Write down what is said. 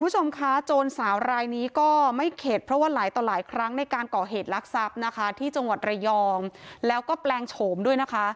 คุณผู้ชมคะโจรสาวรายนี้ก็ไม่เข็ดเพราะว่าหลายต่อหลายครั้งในการก่อเหตุลักษัพนะคะที่จังหวัดระยองแล้วก็แปลงโฉมด้วยนะคะ